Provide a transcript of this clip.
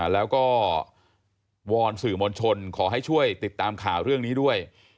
แล้วก็วอนสื่อมวลชนขอให้ช่วยติดตามข่าวเรื่องนี้ด้วย